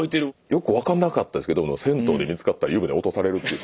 よく分かんなかったですけど銭湯で見つかったら湯船落とされる。